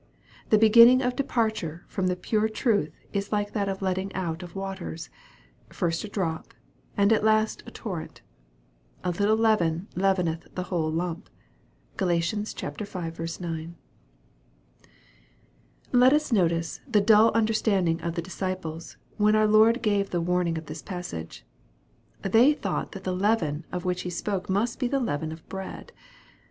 The beginning of departure from the pure truth is like the letting out of waters first a drop, and at last a torrent. A little leaven leaveneth the whole lump. (Gal. v. 9.) Let us notice the dull understanding of the disciples, when our Lord gave the warning of this passage. They thought that the " leaven" of which He spoke must be the leaven of bread.